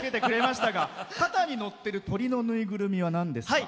肩にのってる鳥の縫いぐるみはなんですか？